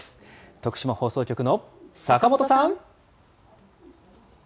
徳島放送局の坂本さん。